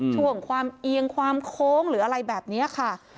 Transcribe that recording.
ช่วงความเอียงความโค้งหรืออะไรแบบนี้ค่ะ